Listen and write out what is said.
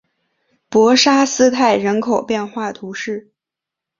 博沙斯泰人口变化图示